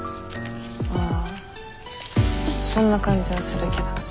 あそんな感じはするけど。